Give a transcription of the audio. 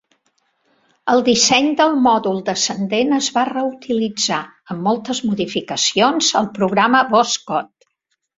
El disseny del mòdul descendent es va reutilitzar, amb moltes modificacions, al programa Voskhod.